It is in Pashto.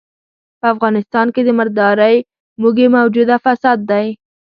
په افغانستان کې د مردارۍ موږی موجوده فساد دی.